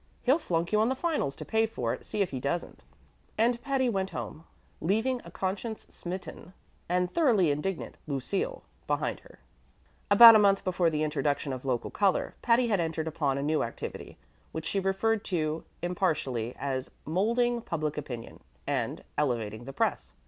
He'll flunk you on the finals to pay for it; see if he doesn't." And Patty went home, leaving a conscience smitten and thoroughly indignant Lucille behind her. ABOUT a month before the introduction of local color, Patty had entered upon a new activity, which she referred to impartially as "molding public opinion" and "elevating the press."